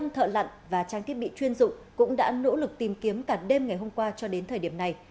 năm thợ lặn và trang thiết bị chuyên dụng cũng đã nỗ lực tìm kiếm cả đêm ngày hôm qua cho đến thời điểm này